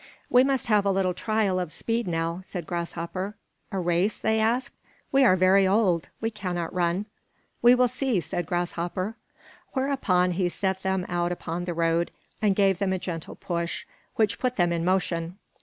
"We must have a little trial of speed, now," said Grasshopper. "A race?" they asked. "We are very old; we cannot run." "We will see," said Grasshopper. Whereupon he set them out upon the road and gave them a gentle push, which put them in motion.